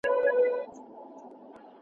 موږ د ښه راتلونکي په لور روان يو.